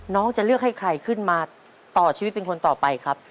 น้องจะเลือกให้ใครขึ้นมาต่อชีวิตเป็นคนต่อไปครับ